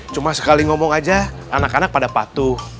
cuma sekali ngomong aja anak anak pada patuh